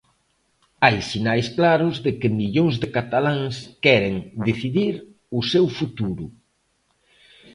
Hai sinais claros de que millóns de cataláns queren decidir o seu futuro.